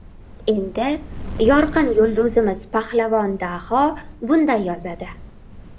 Endi, yorqin yulduzimiz Pahlavon Daho bunday yozadi: